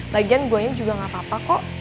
lagian boynya juga gak apa apa kok